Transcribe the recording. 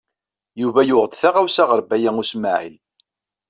Yuba yuɣ-d taɣawsa ɣer Baya U Smaɛil.